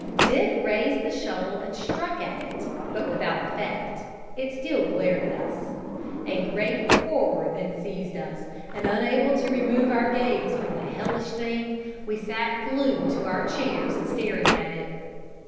"Dick raised the shovel and struck at it, but without effect it still glared at us. A great horror then seized us, and unable to remove our gaze from the hellish thing, we sat glued to our chairs staring at it.